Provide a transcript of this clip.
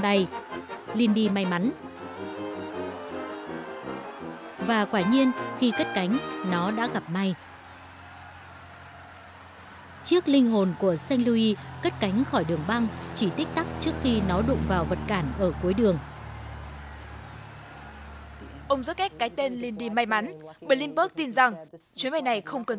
bởi lindbergh tin rằng chuyến bay này không cần gì đến may mắn cả